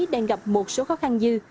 đang gặp một số khó khăn như